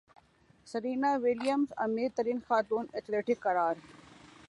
Serena Williams امیر ترین خاتون ایتھلیٹ قرار